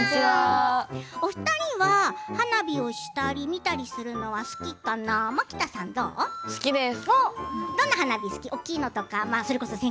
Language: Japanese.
お二人は花火をしたり見たりするのは好きかな好きです。